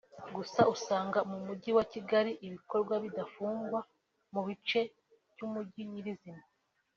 Gusa usanga mu mujyi wa Kigali ibikorwa bidafungwa mu gice cy’umujyi nyirizina